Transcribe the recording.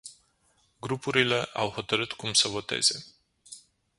Grupurile au hotărât cum să voteze.